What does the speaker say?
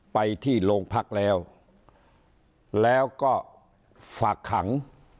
ไปที่โรงพักแล้วแล้วก็ฝากขัง